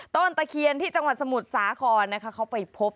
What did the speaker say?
ตะเคียนที่จังหวัดสมุทรสาครนะคะเขาไปพบ